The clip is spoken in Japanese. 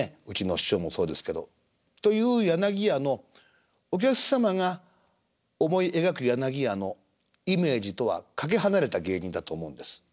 うちの師匠もそうですけど。という柳家のお客様が思い描く柳家のイメージとはかけ離れた芸人だと思うんです。